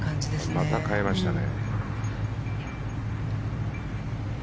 また替えましたね。